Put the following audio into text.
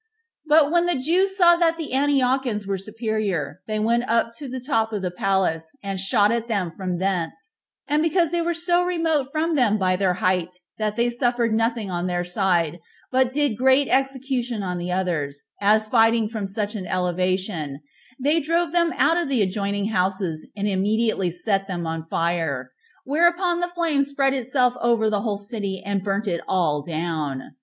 But when the Jews saw that the Antiochians were superior, they went up to the top of the palace, and shot at them from thence; and because they were so remote from them by their height, that they suffered nothing on their side, but did great execution on the others, as fighting from such an elevation, they drove them out of the adjoining houses, and immediately set them on fire, whereupon the flame spread itself over the whole city, and burnt it all down.